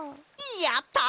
やった！